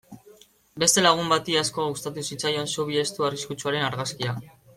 Beste lagun bati asko gustatu zitzaion zubi estu arriskutsuaren argazkia.